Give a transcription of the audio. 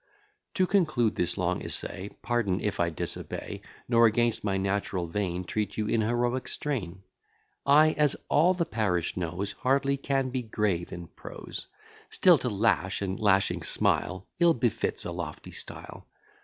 To conclude this long essay; Pardon if I disobey, Nor against my natural vein, Treat you in heroic strain. I, as all the parish knows, Hardly can be grave in prose: Still to lash, and lashing smile, Ill befits a lofty style.